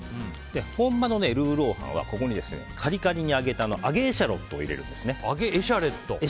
本場のルーロー飯は、ここにカリカリに揚げた揚げエシャロットを入れるんです。